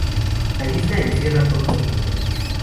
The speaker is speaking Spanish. La isla encierra todo su mundo.